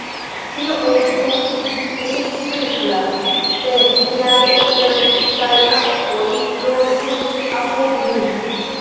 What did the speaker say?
Ĉio estus pli simpla se miaj Esperantistaj amikoj loĝus apud mi.